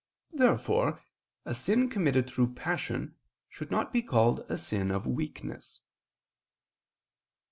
Therefore a sin committed through passion, should not be called a sin of weakness.